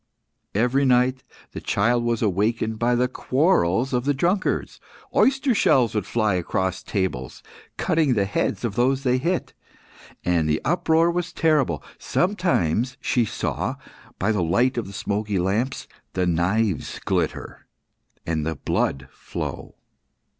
Every night the child was awakened by the quarrels of the drunkards. Oyster shells would fly across the tables, cutting the heads of those they hit, and the uproar was terrible. Sometimes she saw, by the light of the smoky lamps, the knives glitter, and the blood flow.